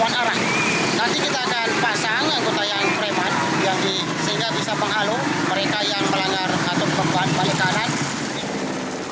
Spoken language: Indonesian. nanti kita akan pasang anggota yang kreman sehingga bisa menghalung mereka yang melanggar atur kembali ke arah